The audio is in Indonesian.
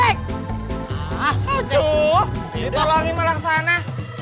eh sembrong lu mau mana